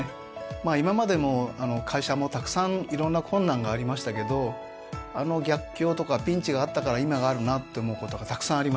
今までも会社もたくさんいろんな困難がありましたけどあの逆境とかピンチがあったから今があるなって思うことがたくさんあります。